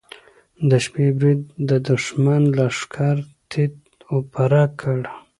د شپې برید د دښمن لښکر تیت و پرک کړ.